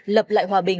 lập lại hòa bình